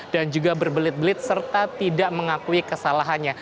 dan juga berbelit belit serta tidak mengakui kesalahannya